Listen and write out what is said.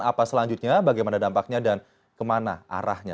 apa selanjutnya bagaimana dampaknya dan kemana arahnya